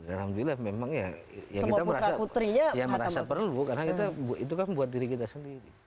alhamdulillah memang ya kita merasa perlu karena itu kan buat diri kita sendiri